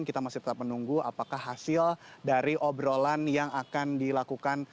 kita masih tetap menunggu apakah hasil dari obrolan yang akan dilakukan